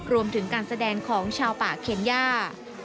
รวมถึงการแสดงของชาวป่าเคนย่า